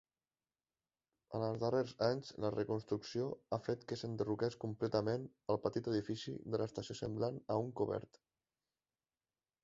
En els darrers anys, la reconstrucció ha fet que s'enderroqués completament el petit edifici de l'estació semblant a un cobert.